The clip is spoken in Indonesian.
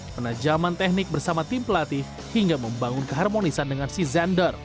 penajaman teknik bersama tim pelatih hingga membangun keharmonisan dengan si zender